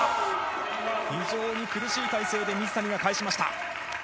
非常に苦しい体勢で水谷が返しました。